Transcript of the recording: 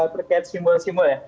terkait simbol simbol ya